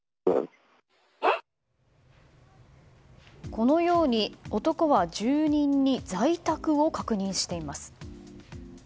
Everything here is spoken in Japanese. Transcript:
このように男は住人に在宅を確認しています。